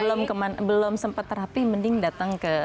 iya kalau belum sempat terapi mending datang lagi